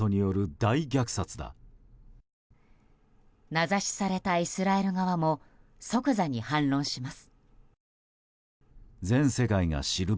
名指しされたイスラエル側も即座に反論します。